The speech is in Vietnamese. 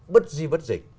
bất di vất dịch